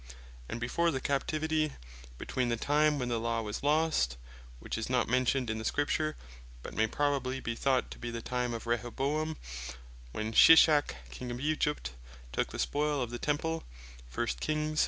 And before the Captivity, between the time when the Law was lost, (which is not mentioned in the Scripture, but may probably be thought to be the time of Rehoboam, when Shishak King of Egypt took the spoils of the Temple,(1 Kings 14.